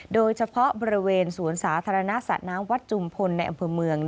โดยเฉพาะบริเวณสวนสาธารณะสระน้ำวัดจุมพลในอำเภอเมือง